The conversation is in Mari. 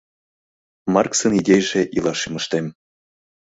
Марксын идейже ила шӱмыштем